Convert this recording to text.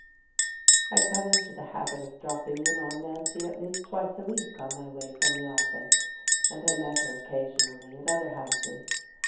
I fell into the habit of dropping in on Nancy at least twice a week on my way from the office, and I met her occasionally at other houses.